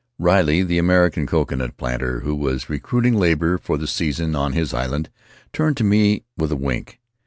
Riley, the American coconut planter, who was! recruiting labor for the season on his island, turned to me with a wink.